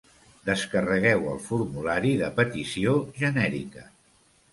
Descarregueu el formulari de petició genèrica.